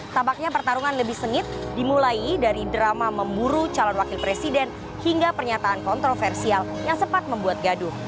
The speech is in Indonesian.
tampaknya pertarungan lebih sengit dimulai dari drama memburu calon wakil presiden hingga pernyataan kontroversial yang sempat membuat gaduh